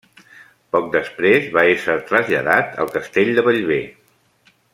Poc després va esser traslladat al Castell de Bellver.